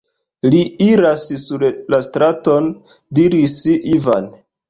Li iras sur la straton, diris Ivan.